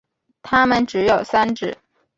它们只有三趾。